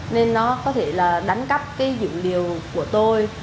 nên nó có thể là đánh cắp cái dữ liệu của tôi